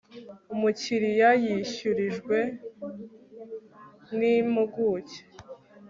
umukiriya yishyurijwe n impuguke